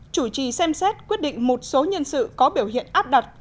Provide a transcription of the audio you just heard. chủ trì xem xét quyết định một số nhân sự có biểu hiện áp đặt